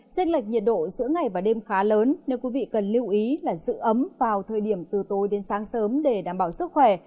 trên lệch nhiệt độ giữa ngày và đêm khá lớn nên quý vị cần lưu ý là giữ ấm vào thời điểm từ tối đến sáng sớm để đảm bảo sức khỏe